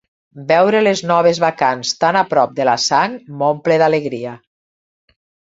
Veure les noves bacants tan a prop de la sang m'omple d'alegria.